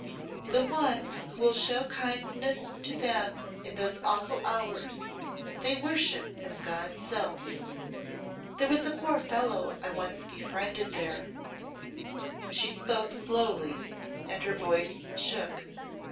"The one who will show kindness to them in those awful hours they worship as God's self. There was a poor fellow I once befriended there" she spoke slowly and her voice shook.